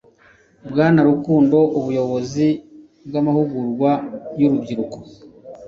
Bwana Rukundo Ubuyobozi bwamahugurwa yurubyiruko